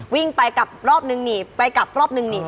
วิ่งไปกลับรอบนึงหนีไปกลับรอบนึงหนี